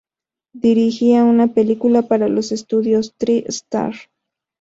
Dirigirá una película para los estudios Tri Star.